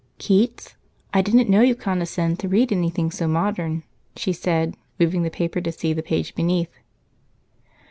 "Keats? I didn't know you condescended to read anything so modern," she said, moving the paper to see the page beneath.